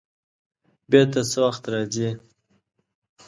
بېرته څه وخت راځې؟